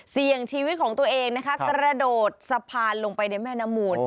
เสี่ยงชีวิตของตัวเองนะคะกระโดดสะพานลงไปในแม่น้ำมูล